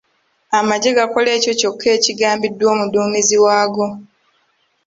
Amaggye gakola ekyo kyokka ekigagambiddwa omuduumizi waago.